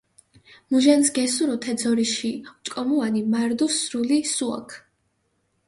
მუჟანს გესურუ თე ძორიში ჭკომუანი, მარდუ სრული სუაქ.